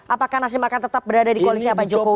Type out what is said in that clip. apakah nasdem akan tetap berada di koalisi pak jokowi